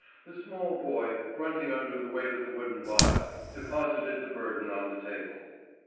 The small colored boy, grunting under the weight of the wooden box, deposited the burden on the table.